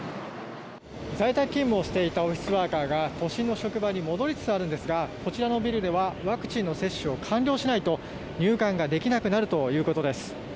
在宅勤務をしていたオフィスワーカーが都心の職場に戻りつつあるんですがこちらのビルではワクチンの接種を完了しないと、入館ができなくなるということです。